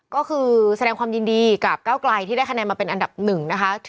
ก็คือแสดงความยินดีกับเก้าไกลที่ได้คะแนนมาเป็นอันดับหนึ่งนะคะ